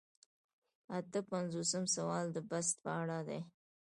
اته پنځوسم سوال د بست په اړه دی.